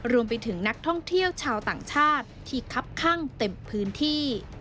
รวมไปถึงนักท่องเที่ยวชาวต่างชาติที่คับข้างเต็มพื้นที่